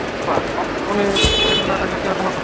উনি এখানে না থাকলে কীভাবে সম্ভব স্যার?